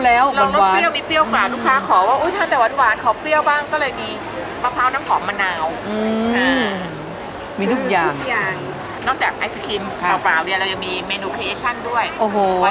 เนื้อมะพร้าวด้วยใช่นะคะก็ยังรู้สึกถึงความหอมของน้ำมะพร้าวน้ำหอม